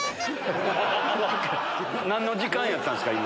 何の時間やったんすか？